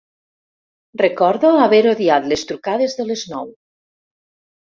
Recordo haver odiat les trucades de les nou.